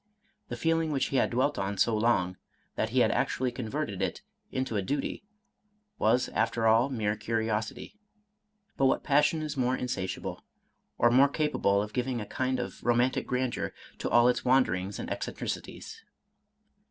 The feeling which he had dwelt on so long, that he had actually converted it into a duty, was after all mere curiosity; but what passion is more insatiable, or more capable of giving a kind of romantic grandeur to all its wanderings and eccen tricities?